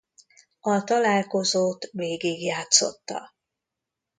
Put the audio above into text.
A találkozót végigjátszotta.